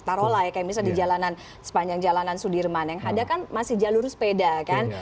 taruh lah ya kayak misalnya di jalanan sepanjang jalanan sudirman yang ada kan masih jalur sepeda kan